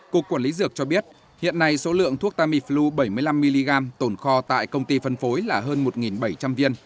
cục quản lý dược cho biết hiện nay số lượng thuốc tamiflu bảy mươi năm mg tổn kho tại công ty phân phối là hơn một bảy trăm linh viên